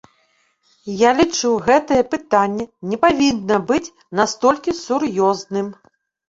Я лічу, гэтае пытанне не павінна быць настолькі сур'ёзным.